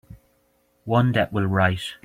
One that will write.